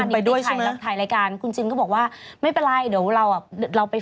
แล้วแฟนคับว่าไง